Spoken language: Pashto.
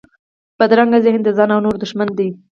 بدرنګه ذهن د ځان او نورو دښمن دی